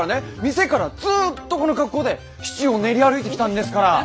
店からずーっとこの格好で市中を練り歩いてきたんですから！